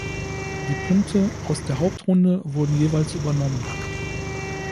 Die Punkte aus der Hauptrunde wurden jeweils übernommen.